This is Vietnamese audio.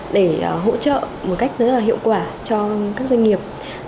để hỗ trợ một cách rất là hiệu quả cho các doanh nghiệp